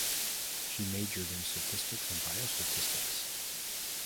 She majored in statistics and biostatistics.